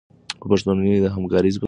په ښوونځي کې د همکارۍ فضا رامنځته کړئ.